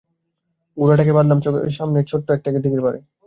ঘোড়াটাকে বাঁধলাম সামনের ছোট্ট একটা দিঘির পাড়ে।